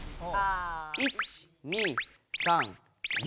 １２３４。